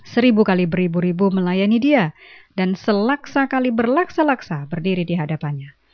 seribu kali beribu ribu melayani dia dan selaksa kali berlaksa laksa berdiri di hadapannya